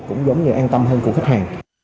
cũng giống như an tâm hơn của khách hàng